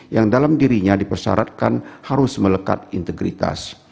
yang dalam dirinya dipersyaratkan harus melekat integritas